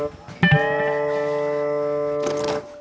kamu mau ke rumah